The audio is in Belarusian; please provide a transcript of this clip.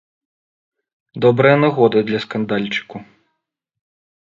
Добрая нагода для скандальчыку.